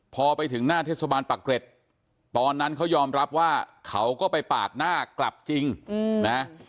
พอไปถึงหน้าเทศบาลปะเกร็ดตอนนั้นเขายอมรับว่าเขาก็ไปปาดหน้ากลับจริงนะ